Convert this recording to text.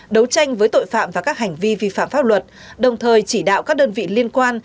đấu tranh với tội phạm và các hành vi vi phạm pháp luật đồng thời chỉ đạo các đơn vị liên quan